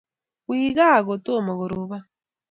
wis gaa kotomo korobon